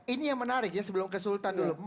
ini yang menarik ya sebelum ke sultan dulu